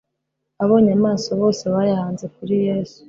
Abonye amaso bose bayahanze kuri Yesu,